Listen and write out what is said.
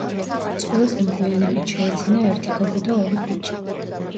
წყვილს მოგვიანებით შეეძინა ერთი გოგო და ორი ბიჭი.